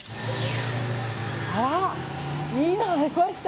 いいのありました！